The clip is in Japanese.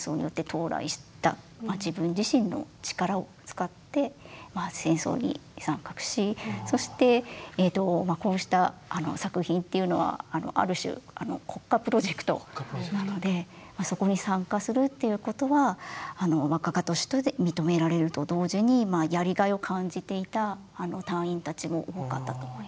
自分自身の力を使って戦争に参画しそしてこうした作品っていうのはある種国家プロジェクトなのでそこに参加するっていうことは画家として認められると同時にやりがいを感じていた隊員たちも多かったと思います。